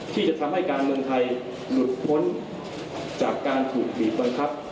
ที่จะทำให้การเมืองไทยหลุดพ้นจากการถูกบีบบังคับ